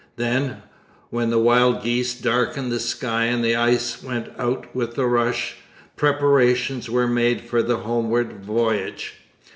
Then, when the wild geese darkened the sky and the ice went out with a rush, preparations were made for the homeward voyage.